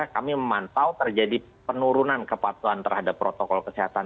kami memantau terjadi penurunan kepatuhan terhadap protokol kesehatan